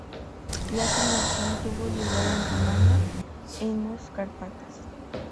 La filmación tuvo lugar en Rumanía, en los Cárpatos.